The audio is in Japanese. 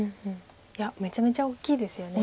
いやめちゃめちゃ大きいですよね。